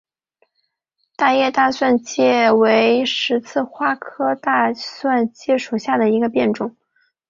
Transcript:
大叶大蒜芥为十字花科大蒜芥属下的一个变种。